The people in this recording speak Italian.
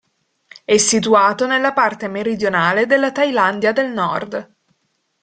È situato nella parte meridionale della Thailandia del Nord.